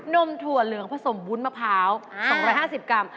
มถั่วเหลืองผสมวุ้นมะพร้าว๒๕๐กรัม